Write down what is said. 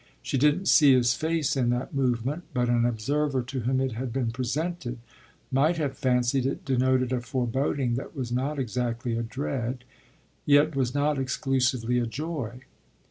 She didn't see his face in that movement, but an observer to whom it had been presented might have fancied it denoted a foreboding that was not exactly a dread, yet was not exclusively a joy.